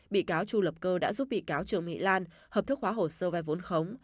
bị cáo chu lập cơ đã giúp bị cáo trương mỹ lan hợp thức hóa hồ sơ vai vốn khống